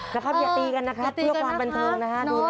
นะครับอย่าตีกันนะครับเพื่อความบันเทิงนะฮะ